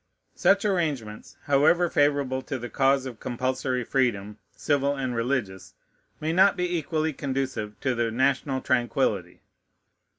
Such arrangements, however favorable to the cause of compulsory freedom, civil and religious, may not be equally conducive to the national tranquillity.